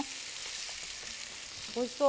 おいしそう。